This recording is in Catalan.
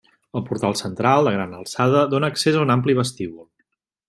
El portal central, de gran alçada, dóna accés a un ampli vestíbul.